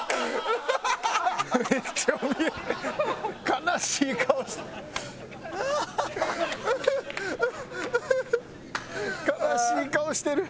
悲しい顔してる。